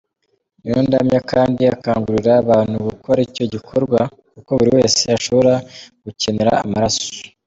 Niyondamya kandi akangurira abantu gukora icyo gikorwa kuko buri wese ashobora gukenera amaraso.